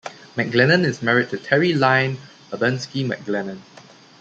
McGlennon is married to Terry Lynne Urbanski McGlennon.